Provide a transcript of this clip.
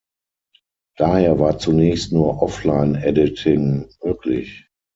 Daher war zunächst nur Offline-Editing möglich.